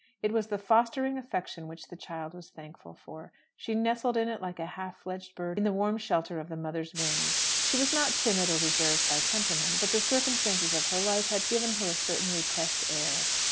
It was the fostering affection which the child was thankful for. She nestled in it like a half fledged bird in the warm shelter of the mother's wing. She was not timid or reserved by temperament; but the circumstances of her life had given her a certain repressed air.